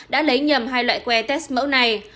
đã lấy nhầm hai loại que test mẫu này